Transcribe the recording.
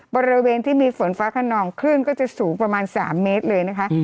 บริเวณที่มีฝนฟ้าขนองคลื่นก็จะสูงประมาณ๓เมตรเลยนะคะ